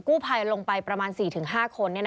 กู้ภัยลงไปประมาณ๔๕คน